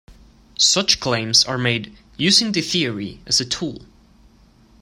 Such claims are made "using the theory" as a tool.